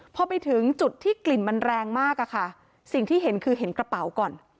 พอไปถึงจุดที่กลิ่นมันแรงมากอะค่ะสิ่งที่เห็นคือเห็นกระเป๋าก่อน